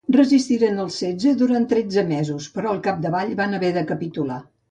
Resistiren el setge durant tretze mesos, però al capdavall van haver de capitular.